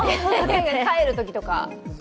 帰るときとか。